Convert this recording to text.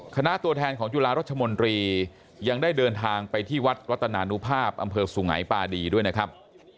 คณะตัวแทนของจุฬารัชมนตรียังได้เดินทางไปที่วัดรัตนานุภาพอำเภอสุงัยปาดีด้วยนะครับ